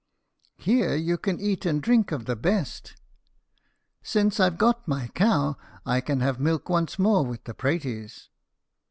"Here you can eat and drink of the best." "Since I've got my cow, I can have milk once more with the praties."